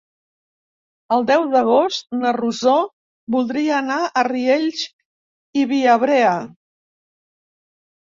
El deu d'agost na Rosó voldria anar a Riells i Viabrea.